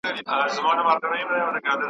لکه جنډۍ د شهید قبر د سر .